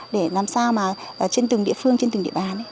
để làm sao mà trên từng địa phương trên từng địa bàn